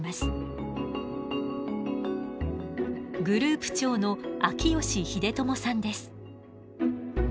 グループ長の秋吉英智さんです。